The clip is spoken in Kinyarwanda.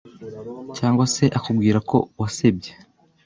cyangwa se akubwira ko wasebye